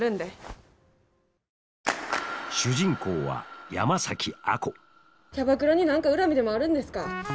主人公は山崎亜子キャバクラに何か恨みでもあるんですか？